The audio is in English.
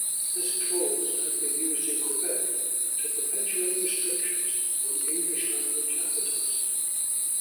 This clause had been used in Quebec to perpetuate restrictions on English-language advertising.